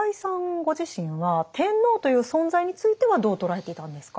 ご自身は天皇という存在についてはどう捉えていたんですか？